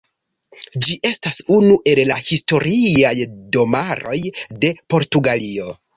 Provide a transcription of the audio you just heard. Ĝi estas unu el la Historiaj Domaroj de Portugalio.